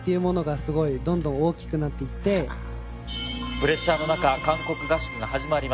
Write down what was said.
プレッシャーの中韓国合宿が始まります。